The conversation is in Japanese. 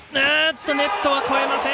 ネットは越えません！